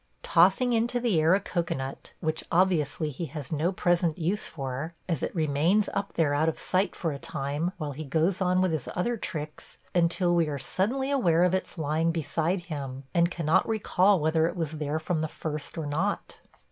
Tossing into the air a cocoanut, which obviously he has no present use for, as it remains up there out of sight for a time while he goes on with his other tricks, until we are suddenly aware of its lying beside him, and cannot recall whether it was there from the first or not.